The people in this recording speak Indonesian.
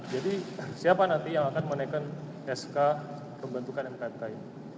jadi siapa nanti yang akan menaikkan sk pembentukan mk mk ini